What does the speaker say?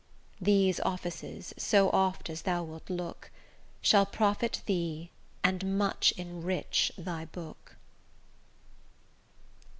These offices, so oft as thou wilt look, Shall profit thee and much enrich thy book.